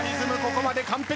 ここまで完璧。